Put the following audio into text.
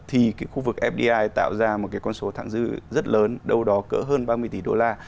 thì cái khu vực fdi tạo ra một cái con số thẳng dư rất lớn đâu đó cỡ hơn ba mươi tỷ đô la